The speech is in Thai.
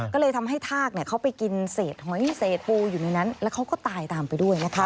ก็เลยทำให้ทากเขาไปกินเศษหอยเศษปูอยู่ในนั้นแล้วเขาก็ตายตามไปด้วยนะคะ